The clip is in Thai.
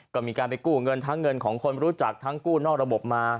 ก็มีการไปกู้เงินทั้งเงินของคนรู้จักทั้งกู้นอกระบบมา